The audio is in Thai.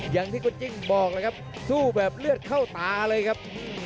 อย่างที่คุณจิ้งบอกเลยครับสู้แบบเลือดเข้าตาเลยครับ